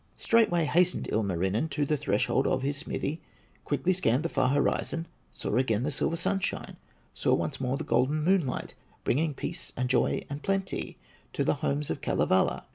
Straightway hastened Ilmarinen To the threshold of his smithy, Quickly scanned the far horizon, Saw again the silver sunshine, Saw once more the golden moonlight, Bringing peace, and joy, and plenty, To the homes of Kalevala.